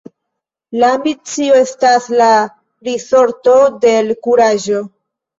La ambicio estas la risorto de l' kuraĝo.